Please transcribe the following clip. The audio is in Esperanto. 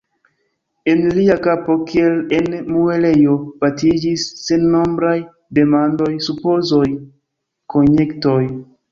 En lia kapo kiel en muelejo batiĝis sennombraj demandoj, supozoj, konjektoj.